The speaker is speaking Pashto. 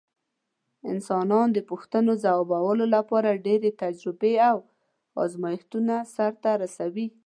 انسانان د پوښتنو ځوابولو لپاره ډېرې تجربې او ازمېښتونه سرته رسوي.